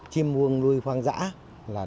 chim uông nuôi khoang dã